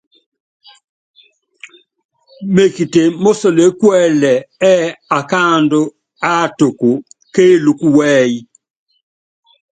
Mekite mósokeé kuɛlɛ ɛ́ɛ́ akáandú áátuku kéelúkú wɛ́yí.